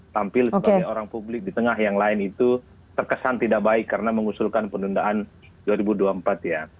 tampil sebagai orang publik di tengah yang lain itu terkesan tidak baik karena mengusulkan penundaan dua ribu dua puluh empat ya